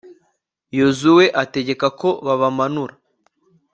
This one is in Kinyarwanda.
yozuwe ategeka ko babamanura